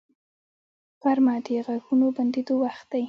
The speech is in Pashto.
غرمه د غږونو بندیدو وخت دی